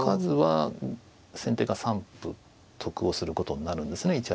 先手が３歩得をすることになるんですね。